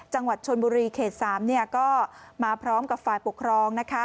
จังหวัดชนบุรีเขต๓ก็มาพร้อมกับฝ่ายปกครองนะคะ